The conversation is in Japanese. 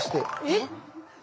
えっ？